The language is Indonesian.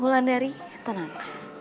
ulan dari tenang